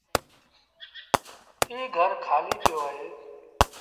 ايٚ گھر کآليٚ پيو اهي۔